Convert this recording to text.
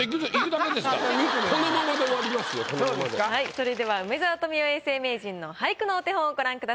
それでは梅沢富美男永世名人の俳句のお手本をご覧ください。